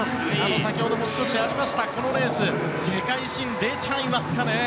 先ほども少しありましたがこのレース、世界新出ちゃいますかね？